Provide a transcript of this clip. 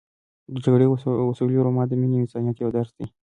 د جګړې او سولې رومان د مینې او انسانیت یو درس دی.